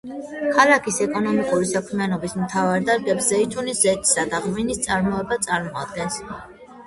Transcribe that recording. ქალაქის ეკონომიკური საქმიანობის მთავარ დარგებს ზეითუნის ზეთისა და ღვინის წარმოება წარმოადგენს.